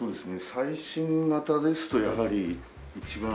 最新型ですとやはり一番。